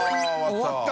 終わった。